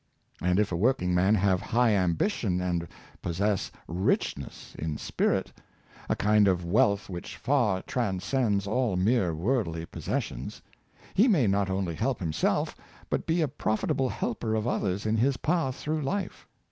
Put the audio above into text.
And if a working man have high ambition and possess richness in spirit — a kind of wealth which far transcends all mere worldly possessions — he may not only help himself, but be a profitable helper of others in his path through life.